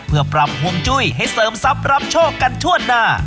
เพื่อปรับฮวงจุ้ยให้เสริมทรัพย์รับโชคกันทั่วหน้า